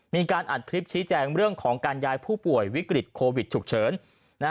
มีการอัดคลิปชี้แจงเรื่องของการย้ายผู้ป่วยวิกฤตโควิดฉุกเฉิน